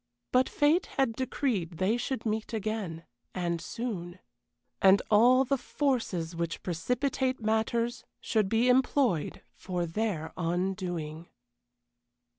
But fate had decreed they should meet again, and soon; and all the forces which precipitate matters should be employed for their undoing.